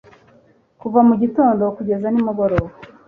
kuva mu gitondo kugeza nimugoroba